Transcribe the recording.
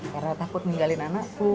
karena takut meninggalin anakku